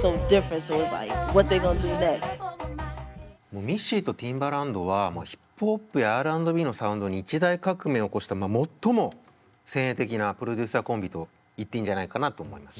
もうミッシーとティンバランドはヒップホップやＲ＆Ｂのサウンドに一大革命を起こしたまあ最も先鋭的なプロデューサーコンビと言っていいんじゃないかなと思います。